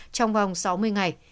trong vòng sáu mươi ngày